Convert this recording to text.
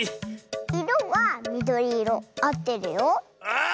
いろはみどりいろあってるよ。